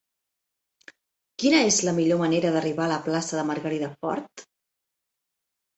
Quina és la millor manera d'arribar a la plaça de Margarida Fort?